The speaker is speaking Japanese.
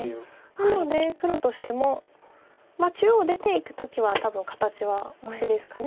なので黒としても中央出ていく時は多分形はオシですか。